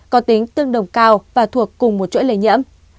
có tính tương đồng cao và thuộc cùng một chuỗi lây nhiễm